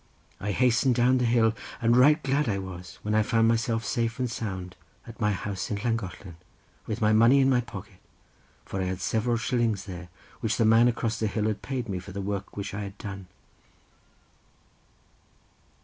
I hastened down the hill, and right glad I was when I found myself safe and sound at my house in Llangollen, with my money in my pocket, for I had several shillings there, which the man across the hill had paid me for the work which I had done."